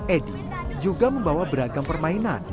edi juga membawa beragam permainan